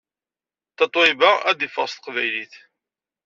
Tatoeba ad d-iffeɣ s teqbaylit